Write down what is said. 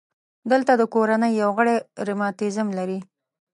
دلته د کورنۍ یو غړی رماتیزم لري.